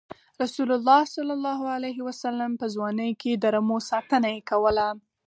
رسول الله ﷺ په ځوانۍ کې د رمو ساتنه یې کوله.